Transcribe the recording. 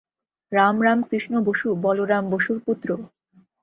রাম রামকৃষ্ণ বসু, বলরাম বসুর পুত্র।